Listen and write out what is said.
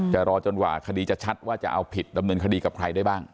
รอจนกว่าคดีจะชัดว่าจะเอาผิดดำเนินคดีกับใครได้บ้าง